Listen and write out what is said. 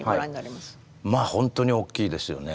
本当に大きいですよね。